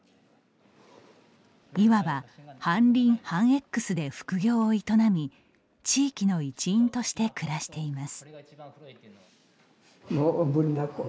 いわば、半林半Ｘで副業を営み地域の一員として暮らしています。